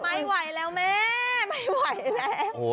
ไม่ไหวแล้วแม่ไม่ไหวแล้ว